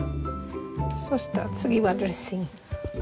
そしたら次はドレッシング。